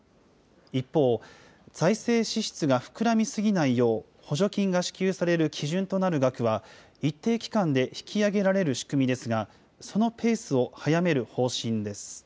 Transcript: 一方、財政支出が膨らみ過ぎないよう、補助金が支給される基準となる額は一定期間で引き上げられる仕組みですが、そのペースを早める方針です。